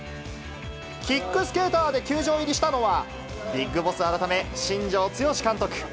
キックスケーターで球場入りしたのは、ＢＩＧＢＯＳＳ改め、新庄剛志監督。